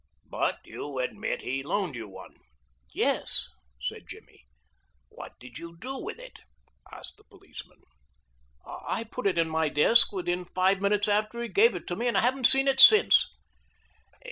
"But you admit he loaned you one?" "Yes," said Jimmy. "What did you do with it?" asked the policeman. "I put it in my desk within five minutes after he gave it to me, and I haven't seen it since."